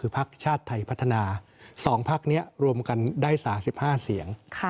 ๒ภักดิ์นี้รวมกันได้๓๕เสียง